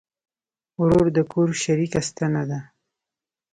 ورور د کور شریکه ستنه ده.